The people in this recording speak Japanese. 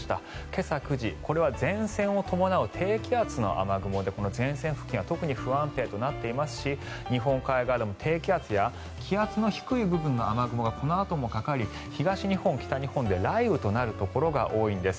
今朝９時、これは前線を伴う低気圧の雨雲で前線付近は特に不安定となっていますし日本海側でも低気圧や気圧の低い部分の雨雲がこのあともかかり東日本、北日本では雷雨となるところが多いんです。